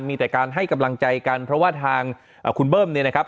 มีแต่การให้กำลังใจกันเพราะว่าทางคุณเบิ้มเนี่ยนะครับ